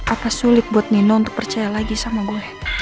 apa sulit buat nino untuk percaya lagi sama gue